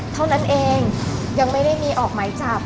เท่านั้นเองยังไม่ได้มีออกหมายจับ